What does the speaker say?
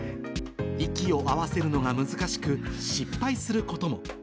息を合わせるのが難しく、失敗することも。